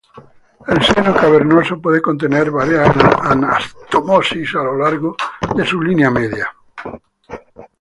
El seno cavernoso puede contener varias anastomosis a lo largo de su línea media.